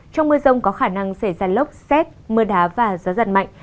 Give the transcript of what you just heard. trong mưa rông có khả năng xảy ra lốc xét mưa đá và gió giật mạnh